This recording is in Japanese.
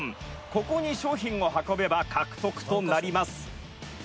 「ここに商品を運べば獲得となります」